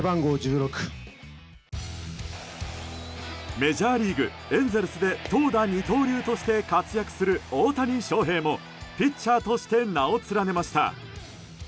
メジャーリーグ、エンゼルスで投打二刀流として活躍する大谷翔平も、ピッチャーとして名を連ねました。